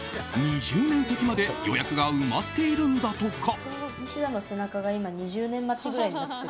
２０年先まで予約が埋まっているんだとか。